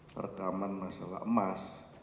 perekaman masalah emas